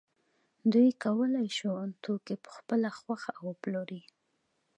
دوی کولای شو توکي په خپله خوښه وپلوري